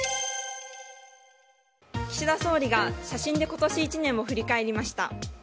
岸田総理が写真で今年１年を振り返りました。